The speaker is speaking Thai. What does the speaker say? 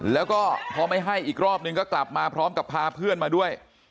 แล้วก็พอไม่ให้อีกรอบนึงก็กลับมาพร้อมกับพาเพื่อนมาด้วย